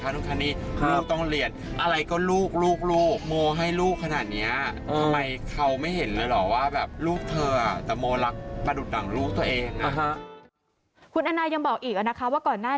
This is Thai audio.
เธออยากให้ลูกมีเงินค่าเทิม